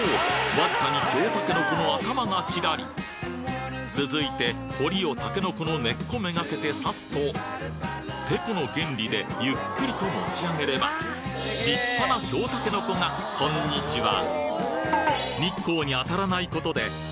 わずかに京たけのこの頭がちらり続いてホリをたけのこの根っこめがけて刺すとテコの原理でゆっくりと持ち上げれば立派な京たけのこがこんにちは